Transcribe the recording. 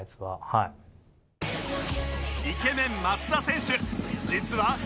イケメン松田選手実は